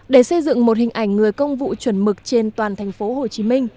để xây dựng một hình ảnh người công vụ chuẩn mực trên toàn tp hcm